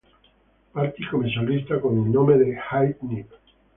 Partì come solista con il nome The Hip Nip.